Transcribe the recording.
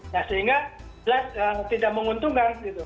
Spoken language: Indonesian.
nah sehingga jelas tidak menguntungkan gitu